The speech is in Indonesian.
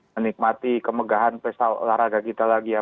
menikmati kemegahan pesta olahraga kita lagi ya